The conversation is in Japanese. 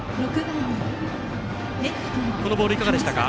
このボールはいかがでしたか。